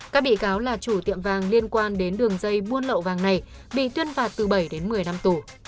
các bị cáo là chủ tiệm vàng liên quan đến đường dây buôn lậu vàng này bị tuyên phạt từ bảy đến một mươi năm tù